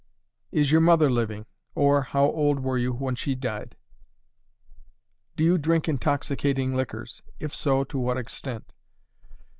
"Is your mother living? or how old were you when she died? "Do you drink intoxicating liquors? If so, to what extent?